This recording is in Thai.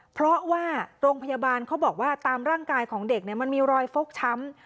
เพราะว่าโรงพยาบาลเขาบอกว่าตามร่างกายของเด็กมันมีรอยฟกช้ำ